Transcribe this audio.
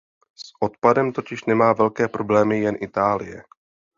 S odpadem totiž nemá velké problémy jen Itálie.